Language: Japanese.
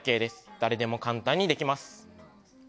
誰でも簡単にできます。